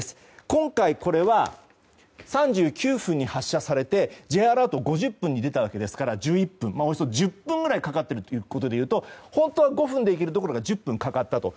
今回これは３９分に発射されてＪアラートは５０分に出たわけですから１１分およそ１０分ぐらいかかってるということでいうと本当は５分で行けるどころか１０分かかったと。